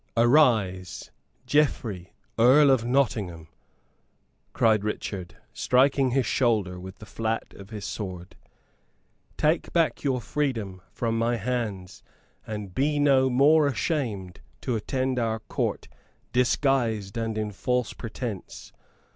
"Arise, Geoffrey Earl of Nottingham," cried Richard, striking his shoulder with the flat of his sword; "take back your freedom from my hands, and be no more ashamed to attend our Court disguised and in false pretence.